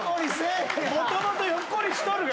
もともとひょっこりしとるがな。